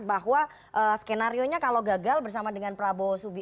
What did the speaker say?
bahwa skenario nya kalau gagal bersama dengan prabowo subianto